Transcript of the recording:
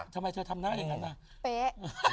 ทำไมเธอทำหน้าอย่างนั้นน่ะเป๊ะ